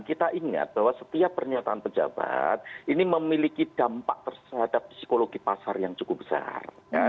kita ingat bahwa setiap pernyataan pejabat ini memiliki dampak terhadap psikologi pasar yang cukup besar